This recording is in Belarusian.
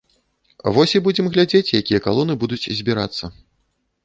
Вось і будзем глядзець, якія калоны будуць збірацца.